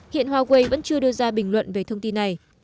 hiện huawei vẫn chưa đưa ra bình luận về thông tin này